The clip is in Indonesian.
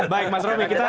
baik mas romi kita